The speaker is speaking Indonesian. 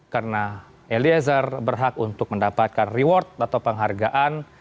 karena eliezer berhak untuk mendapatkan reward atau penghargaan